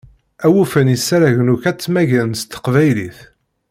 Awufan isaragen akk ad ttmaggan s teqbaylit.